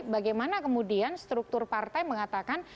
bagaimana kemudian struktur partai mengatakan